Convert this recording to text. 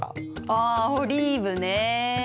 あオリーブね。